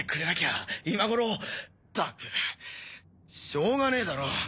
しょうがねぇだろ。